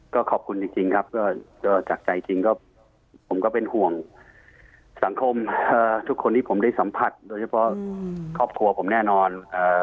ก็ขอบคุณจริงครับก็จากใจจริงก็ผมก็เป็นห่วงสังคมทุกคนที่ผมได้สัมผัสโดยเฉพาะครอบครัวผมแน่นอน